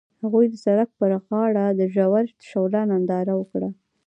هغوی د سړک پر غاړه د ژور شعله ننداره وکړه.